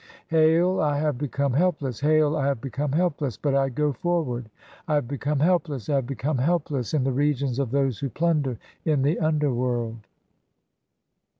Hail, I "have become helpless ! Hail, I have become helpless ! but I go "forward. I have become helpless, I have become helpless (4) "in the regions of those who plunder in the underworld."